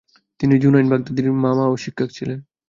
তিনি জুনাইদ বাগদাদীর মামা ও শিক্ষকও ছিলেন।